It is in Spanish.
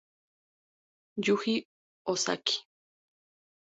Yuji Ozaki